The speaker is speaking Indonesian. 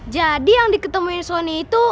yang diketemuin sony itu